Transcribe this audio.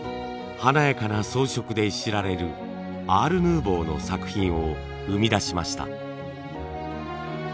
華やかな装飾で知られるアール・ヌーボーの作品を生み出しました。